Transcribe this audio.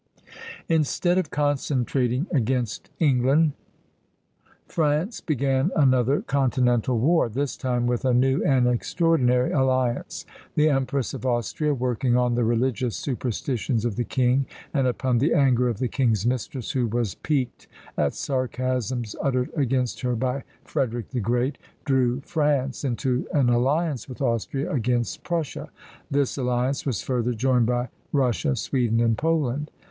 Instead of concentrating against England, France began another continental war, this time with a new and extraordinary alliance. The Empress of Austria, working on the religious superstitions of the king and upon the anger of the king's mistress, who was piqued at sarcasms uttered against her by Frederick the Great, drew France into an alliance with Austria against Prussia. This alliance was further joined by Russia, Sweden and Poland.